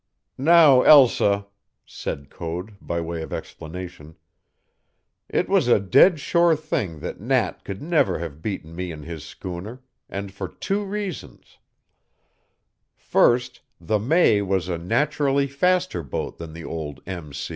"Now, Elsa," said Code by way of explanation, "it was a dead sure thing that Nat could never have beaten me in his schooner, and for two reasons: First, the May was a naturally faster boat than the old _M.